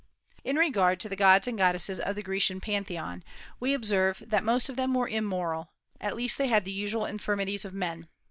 In regard to the gods and goddesses of the Grecian Pantheon, we observe that most of them were immoral; at least they had the usual infirmities of men.